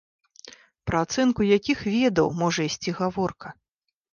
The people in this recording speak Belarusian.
Пра ацэнку якіх ведаў можа ісці гаворка?